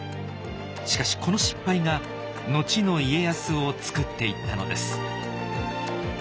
しかしこの失敗が後の家康を作っていったのです。